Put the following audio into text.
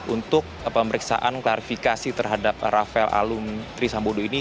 untuk pemeriksaan klarifikasi terhadap rafael alun tri sambodo ini